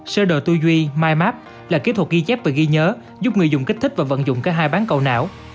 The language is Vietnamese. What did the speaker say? sơ đồ tư duy mymap là kỹ thuật ghi chép và ghi nhớ giúp người dùng kích thích và vận dụng cả hai bán cầu não